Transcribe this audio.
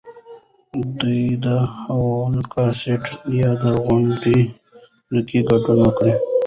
ده د هولوکاسټ د یاد غونډې کې ګډون وکړ.